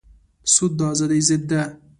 سود د ازادۍ ضد دی.